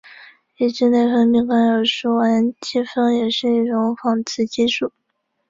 已知的内分泌干扰素烷基酚也是一种仿雌激素。